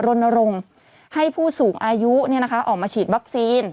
รนรงให้ผู้สูงอายุเนี่ยนะคะออกมาฉีดบัคซีน